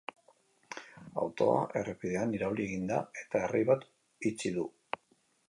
Autoa errepidean irauli egin da eta errei bat itxi du.